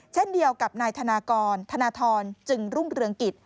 เช่นเดียวกับนายธนากรธนทรจึงรุ่งเรืองกิจ